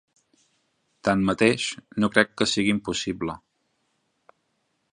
Tanmateix, no crec que sigui impossible.